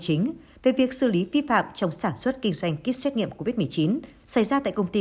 chính về việc xử lý vi phạm trong sản xuất kinh doanh kit xét nghiệm covid một mươi chín xảy ra tại công ty